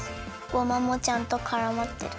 ごまもちゃんとからまってる。